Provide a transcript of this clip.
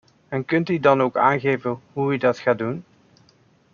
En kunt u dan ook aangeven hoe u dat gaat doen?